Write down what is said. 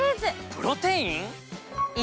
プロテイン？